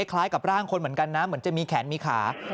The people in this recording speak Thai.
คล้ายกับร่างคนเหมือนกันนะเหมือนจะมีแขนมีขา